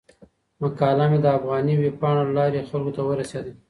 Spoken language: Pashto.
مقاله مې د افغاني ویبپاڼو له لارې خلکو ته ورسیده.